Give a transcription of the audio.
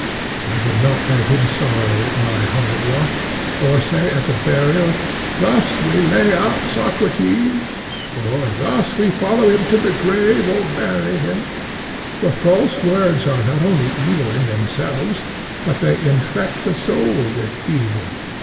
I would not have him sorrow at my hard lot, or say at the burial, Thus we lay out Socrates, or, Thus we follow him to the grave or bury him; for false words are not only evil in themselves, but they infect the soul with evil.